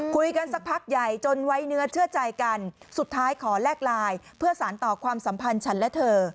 คุยกันสักพักใหญ่จนไว้เนื้อเชื่อใจกันสุดท้ายขอแลกไลน์เพื่อสารต่อความสัมพันธ์ฉันและเธอ